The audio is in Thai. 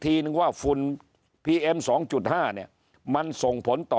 ทีนึงว่าฝุ่นพีเอ็มสองจุดห้าเนี่ยมันส่งผลต่อ